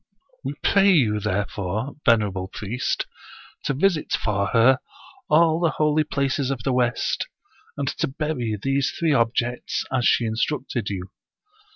We pray you, therefore, venerable priest, to visit for her all the holy places of the west, and to bury these three objects, as she instructed you.